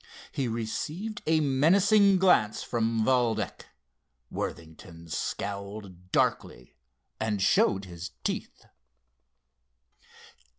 He received a menacing glance from Valdec. Worthington scowled darkly and showed his teeth.